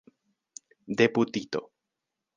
deputito